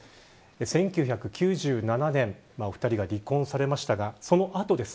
１９９７年お２人が離婚をされましたがその後です。